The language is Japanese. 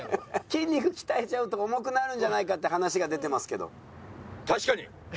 筋肉鍛えちゃうと重くなるんじゃないかって話が出てますけど。